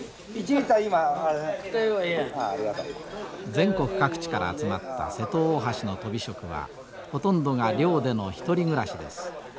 全国各地から集まった瀬戸大橋のとび職はほとんどが寮での１人暮らしです。